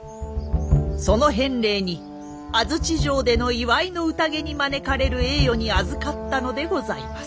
その返礼に安土城での祝いの宴に招かれる栄誉にあずかったのでございます。